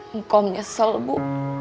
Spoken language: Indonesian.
engkau menyesal bu